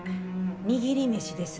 握り飯です。